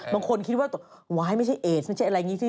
บางคนคิดว่าว้ายไม่ใช่เอดไม่ใช่อะไรอย่างนี้สิ